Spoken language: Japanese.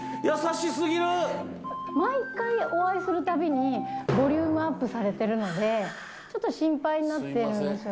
毎回、お会いするたびに、ボリュームアップされてるので、ちょっと心配になってるんですよ